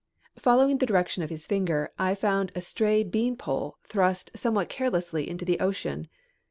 Following the direction of his finger I found a stray beanpole thrust somewhat carelessly into the ocean.